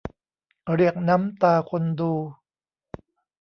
เรียกน้ำตาคนดู